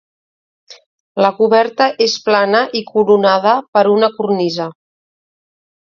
La coberta és plana i coronada per una cornisa.